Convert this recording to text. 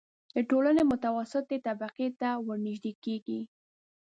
د ټولنې متوسطې طبقې ته ورنژدې کېږي.